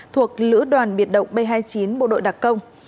thuộc lữ đoàn biệt động b hai mươi chín bộ đội đặc công